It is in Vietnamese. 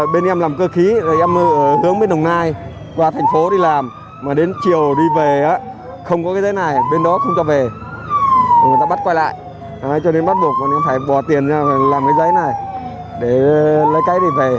bên em làm cơ khí rồi em hướng bên đồng nai qua thành phố đi làm mà đến chiều đi về không có cái giấy này bên đó không cho về người ta bắt quay lại cho nên bắt buộc em phải bỏ tiền ra làm cái giấy này để lấy cái này về